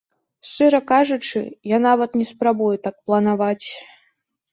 Шчыра кажучы, я нават не спрабую так планаваць.